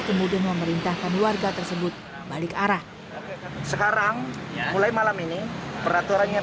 kemudian memerintahkan warga tersebut balik arah sekarang mulai malam ini peraturan yang